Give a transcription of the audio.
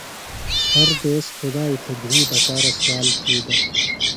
ہر دیس خدائی تھےۡ دِھی دپارہ سوال تھی دےۡ۔